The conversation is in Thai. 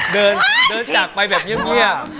เดินจากไปเงียบ